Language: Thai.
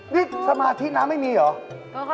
นี่สมาธิน้ำไม่มีเหรอ